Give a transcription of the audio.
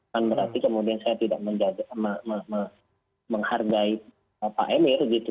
kan berarti kemudian saya tidak menghargai pak emir gitu